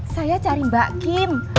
saya cari mbak kim